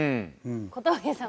小峠さん